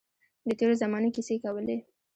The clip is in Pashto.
د تېرو زمانو کیسې کولې.